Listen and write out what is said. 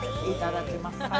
いただきます。